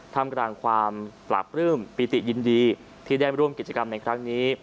ทำกลางความปราบปลื้มปิติยินดีที่ได้ร่วมกิจกรรมในครั้งนี้